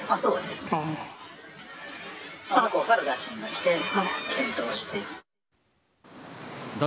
そうですね。